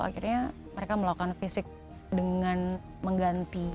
akhirnya mereka melakukan fisik dengan mengganti